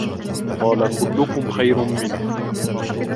قَالَ كُلُّكُمْ خَيْرٌ مِنْهُ